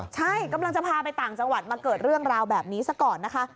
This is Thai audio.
ใช่กำลังจะพาไปต่างจังหวัดมาเกิดเรื่องราวแบบนี้ซะก่อนนะคะ